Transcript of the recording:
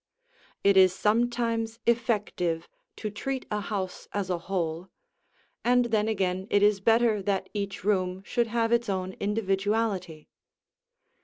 It is sometimes effective to treat a house as a whole, and then again it is better that each room should have its own individuality.